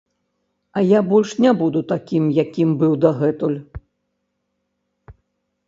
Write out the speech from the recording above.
А я больш не буду такiм, якiм быў дагэтуль...